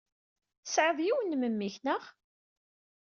Tesɛid yiwen n memmi-k, naɣ?